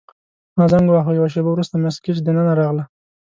ما زنګ وواهه، یوه شیبه وروسته مس ګیج دننه راغله.